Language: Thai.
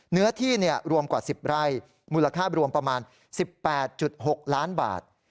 เนื้อที่รวมกว่า๑๐ไร่มูลค่ารวมประมาณ๑๘๖ล้านบาท